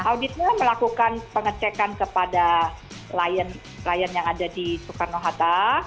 auditnya melakukan pengecekan kepada klien yang ada di soekarno hatta